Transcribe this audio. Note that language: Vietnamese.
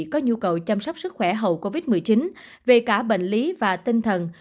có nhu cầu chăm sóc sức khỏe hậu covid một mươi chín về cả bệnh lý và tinh thần